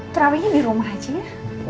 terawihnya di rumah aja ya